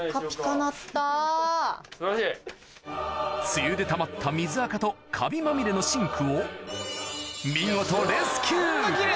梅雨でたまった水アカとカビまみれのシンクを見事レスキュー！